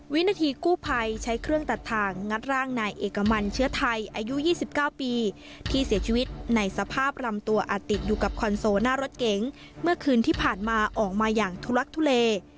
วินาทีกู้ภัยใช้เครื่องตัดทางงัดร่างนายเอกมันเชื้อไทยอายุ๒๙ปีที่เสียชีวิตในสภาพรำตัวอาจติดอยู่กับคอนโซลหน้ารถเก๋งเมื่อคืนที่ผ่านมาออกมาอย่างทุลักทุเล